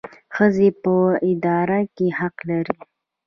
ښځې په اداره کې حق لري